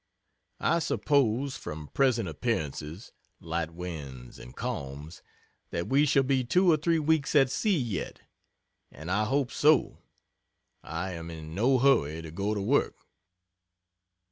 I suppose, from present appearances, light winds and calms, that we shall be two or three weeks at sea, yet and I hope so I am in no hurry to go to work.